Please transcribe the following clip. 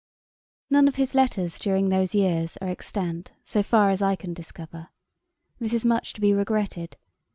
] None of his letters during those years are extant, so far as I can discover. This is much to be regretted.